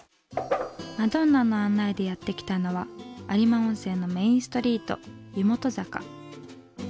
マドンナの案内でやって来たのは有馬温泉のメインストリート湯本坂。